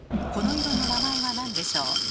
この色の名前は何でしょう？